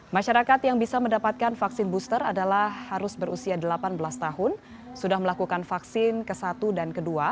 masyarakat yang bisa mendapatkan vaksin booster adalah harus berusia delapan belas tahun sudah melakukan vaksin ke satu dan ke dua